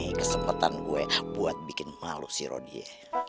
nih kesempetan gue buat bikin malu si rodie